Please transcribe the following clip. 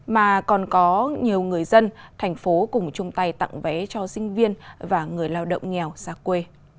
mà còn có nhiều người dân thành phố cùng chung tay tặng vé cho sinh viên và người lao động nghèo xa quê